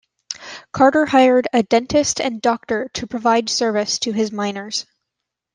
Carter hired a dentist and doctor to provide service to his miners.